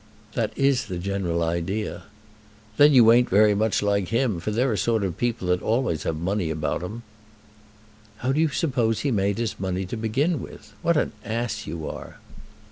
"That is the general idea." "Then you ain't very much like him, for they're a sort of people that always have money about 'em." "How do you suppose he made his money to begin with? What an ass you are!"